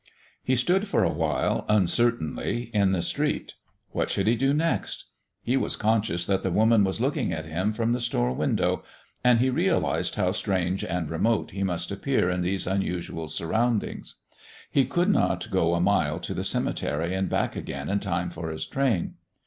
He stood for a while uncertainly in the street. What should he do next? He was conscious that the woman was looking at him from the store window, and he realized how strange and remote he must appear in these unusual surroundings. He could not go a mile to the cemetery and back again in time for his train.